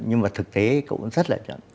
nhưng mà thực tế cũng rất lợi nhuận